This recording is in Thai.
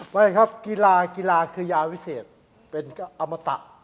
ไม่ครับกีฬากีฬาคือยาวิเศษเป็นอมตะ